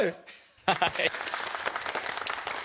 ハハハハ。